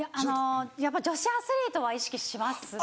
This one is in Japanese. やっぱ女子アスリートは意識しますね。